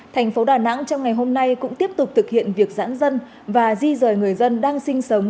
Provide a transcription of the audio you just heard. thành phố đà nẵng trong ngày hôm nay cũng tiếp tục thực hiện việc giãn dân và di rời người dân đang sinh sống